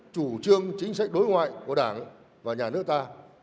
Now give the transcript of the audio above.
chủ trương chính sách đối ngoại của đảng và nhà nước ta